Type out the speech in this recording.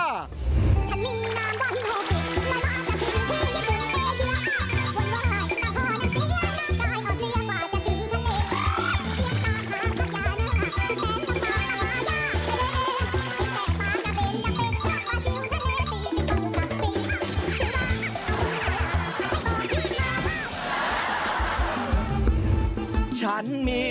แค่สระฝืนอย่างเป็นทาวาทิวธนัยศีรมัวสี่